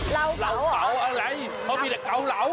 เราก๋าอะไรเขามีแต่กั่วเหลา